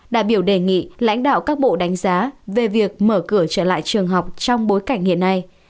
đại biểu đề nghị lãnh đạo các bộ đánh giá về việc mở cửa trở lại trường học trong bối cảnh hiện nay